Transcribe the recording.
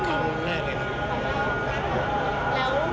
ตอนนี้เป็นครั้งหนึ่งครั้งหนึ่ง